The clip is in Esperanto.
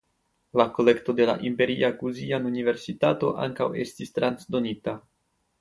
La kolekto de la imperia guzijian universitato ankaŭ estis transdonita.